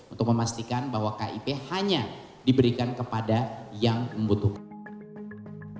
untuk memastikan bahwa kip hanya diberikan kepada yang membutuhkan